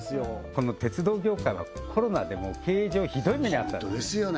この鉄道業界はコロナでもう経営上ひどい目に遭ったんですね